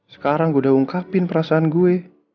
sekarang gue udah ungkapin perasaan gue